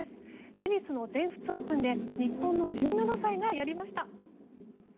テニスの全仏オープンで日本の１７歳がやりました。